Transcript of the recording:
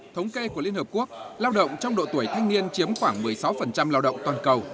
thống kê của liên hợp quốc lao động trong độ tuổi thanh niên chiếm khoảng một mươi sáu lao động toàn cầu